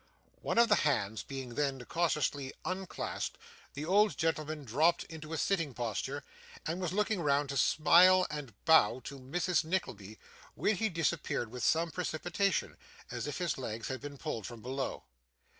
One of the hands being then cautiously unclasped, the old gentleman dropped into a sitting posture, and was looking round to smile and bow to Mrs. Nickleby, when he disappeared with some precipitation, as if his legs had been pulled from below.